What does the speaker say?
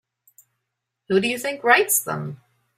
Who do you think writes them?